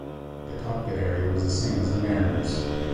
The cockpit area was the same as the Mariner's.